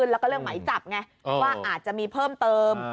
และเรื่องไหมจับไงอาจจะมีเพิ่มเติม